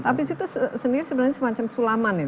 tapis itu sendiri sebenarnya semacam sulaman ya